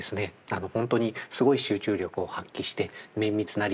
本当にすごい集中力を発揮して綿密なリサーチを重ね